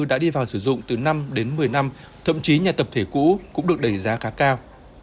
đã đi vào sử dụng từ năm đến một mươi năm thậm chí nhà tập thể cũ cũng được đẩy giá khá cao